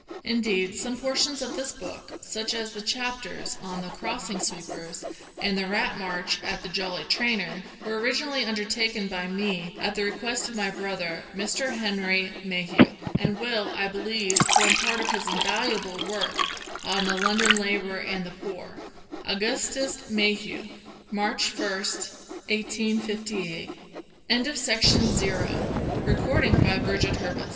Indeed, some portions of this book (such as the chapters on the " Crossing sweepers" and the " Eat Match" at the * Jolly Trainer") were originally undertaken by me at the request of my brother, Mr. Henry Mayhew, and will, I believe, form part of his invaluable work on " London Labour and the Poor." AUGUSTUS MAYHEW. March 1, 1858. M737572 ILLUSTRATIONS. Prontispiece. The Asylum toe the Houseless